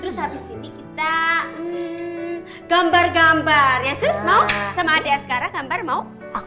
terus habis ini kita gambar gambar ya sus